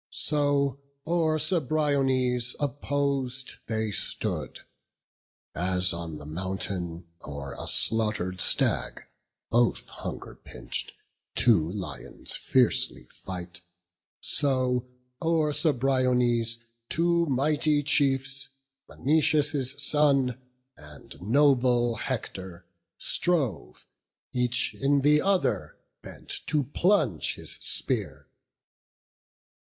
So, o'er Cebriones, oppos'd they stood; As on the mountain, o'er a slaughter'd stag, Both hunger pinch'd, two lions fiercely fight, So o'er Cebriones two mighty chiefs, Menoetius' son and noble Hector, strove, Each in the other bent to plunge his spear.